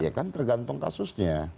ya kan tergantung kasusnya